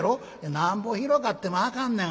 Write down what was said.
「なんぼ広かってもあかんのやがな。